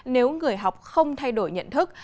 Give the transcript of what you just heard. nếu người học không thay đổi nhận thức